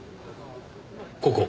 ここ。